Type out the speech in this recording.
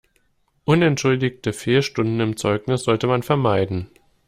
Unentschuldigte Fehlstunden im Zeugnis sollte man vermeiden.